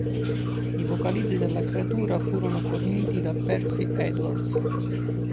I vocalizzi della creatura furono forniti da Percy Edwards.